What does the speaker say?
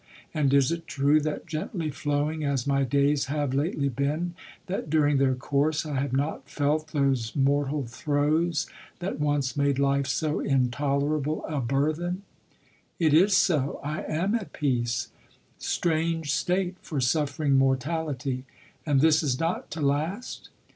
and is it true that gently flowing as my da\ have lately been, that during their course I have not felt those mortal throes that once made life so intolerable a burthen? It is so. I am at }x>ace ; strange state for suffering mortality! And this is not to last?